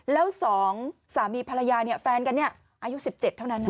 แล้วสองสามีภรรยาแฟนกันนี่อายุ๑๗เท่านั้น